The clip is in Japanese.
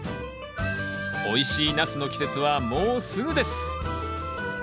おいしいナスの季節はもうすぐです！